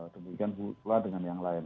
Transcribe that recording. demikian pula pula dengan yang lain